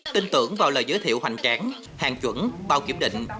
tin tưởng vào lời giới thiệu hoành tráng hàng chuẩn bao kiểm định